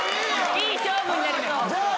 いい勝負になりそう。